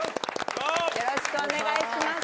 よろしくお願いします。